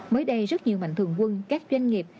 mới đây rất nhiều mạnh thường quân các doanh nghiệp